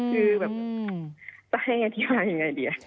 คือแบบจะให้อธิบายยังไงดี